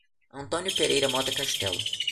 Antônio Pereira Mota Castelo